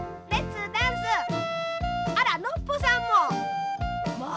あらノッポさんも。